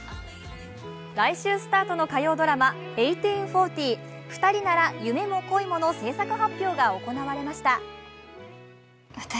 来週スタートの火曜ドラマ「１８／４０ふたりなら夢も恋も」の制作発表が行われました。